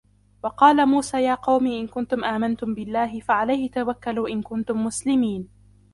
وقال موسى يا قوم إن كنتم آمنتم بالله فعليه توكلوا إن كنتم مسلمين